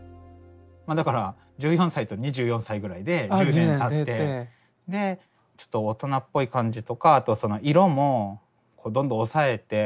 まあだから１４歳と２４歳ぐらいで１０年たってちょっと大人っぽい感じとかあとはその色もどんどん抑えて。